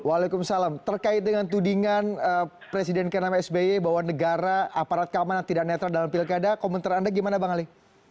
waalaikumsalam terkait dengan tudingan presiden ke enam sby bahwa negara aparat keamanan tidak netral dalam pilkada komentar anda gimana bang ali